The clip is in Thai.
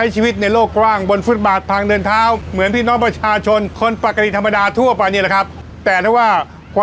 จับเลยค่ะท่านแรก